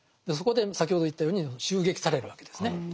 そこで先ほど言ったように襲撃されるわけですね。